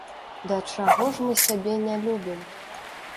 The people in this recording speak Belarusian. Да чаго ж мы сябе не любім!